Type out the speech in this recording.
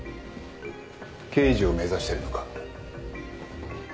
刑事を目指してるのか？